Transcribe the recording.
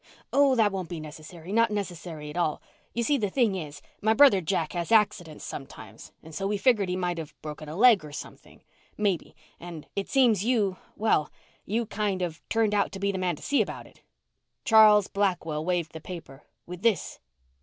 "Oh that won't be necessary not necessary at all. You see the thing is, my brother Jack has accidents sometimes and so we figured he might have broken a leg or something, maybe, and it seems you well, you kind of turned out to be the man to see about it." Charles Blackwell waved the paper. "With this."